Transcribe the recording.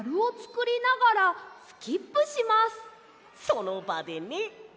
そのばでね。